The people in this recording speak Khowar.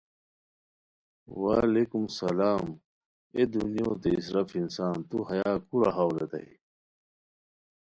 وعلیکم سلام اے دنیوتے اِسراف انسان توہیا کورا ہاؤ ریتائے